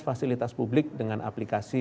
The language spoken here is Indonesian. fasilitas publik dengan aplikasi